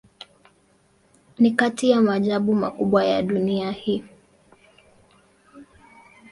Ni kati ya maajabu makubwa ya dunia hii.